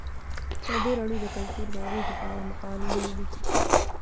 ازادي راډیو د کلتور د اغیزو په اړه مقالو لیکلي.